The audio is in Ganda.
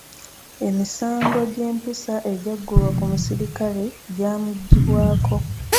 Emisango gy'empisa egyaggulwa ku misirikale gyamuggyibwako.